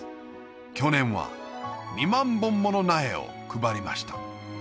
去年は２万本もの苗を配りました